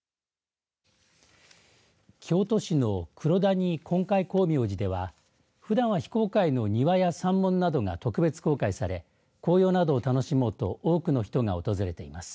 京都市のくろ谷金戒光明寺ではふだんは非公開の庭や山門などが特別公開され紅葉などを楽しもうと多くの人が訪れています。